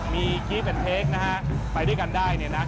มีกี้เป็นเค้กนะฮะไปด้วยกันได้เนี่ยนะ